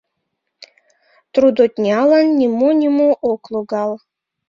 Трудоднялан нимо-нимо ок логал.